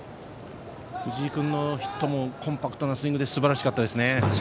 藤井君のヒットもコンパクトなスイングですばらしかったですね。